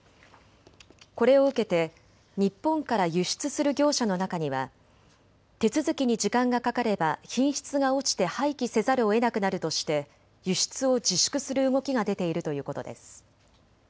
これを受けて日本から輸出する業者の中には手続きに時間がかかれば品質が落ちて廃棄せざるをえなくなるとして輸出を自粛する動きが出ているということです。